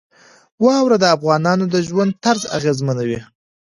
واوره د افغانانو د ژوند طرز اغېزمنوي.